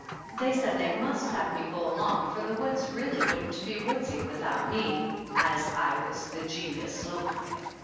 They said they must have me go along for the woods wouldn't really be woodsy without me, as I was the genius loci.